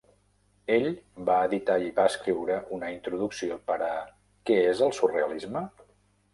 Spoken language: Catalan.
Ell va editar i va escriure una introducció per a "Què és el surrealisme?"